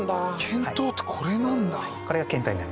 見当ってこれなんだ。